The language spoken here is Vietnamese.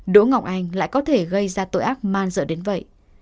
đỗ ngọc anh lại có thể gây ra tội ác man dợ đến vậy